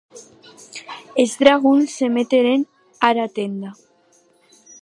Es dragons se meteren ara atenda.